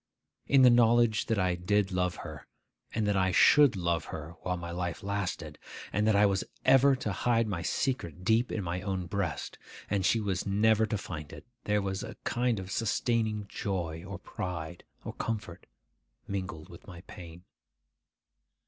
In the knowledge that I did love her, and that I should love her while my life lasted, and that I was ever to hide my secret deep in my own breast, and she was never to find it, there was a kind of sustaining joy or pride, or comfort, mingled with my pain.